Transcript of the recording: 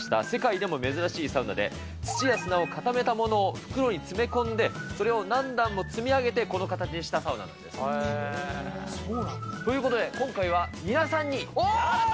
世界でも珍しいサウナで、土や砂を固めたものを袋に詰め込んで、それを何段も積み上げてこの形にしたサウナなんです。ということで、今回は皆さんに。